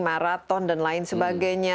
ada yang marathon dan lain sebagainya